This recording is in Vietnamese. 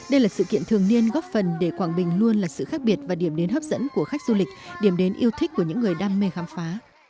đây là sự kiện thường niên góp phần để quảng bình luôn là sự khác biệt và điểm đến hấp dẫn của khách du lịch điểm đến yêu thích của những người đam mê khám phá